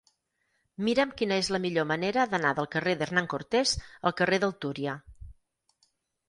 Mira'm quina és la millor manera d'anar del carrer d'Hernán Cortés al carrer del Túria.